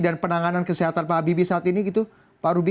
penanganan kesehatan pak habibie saat ini gitu pak rugi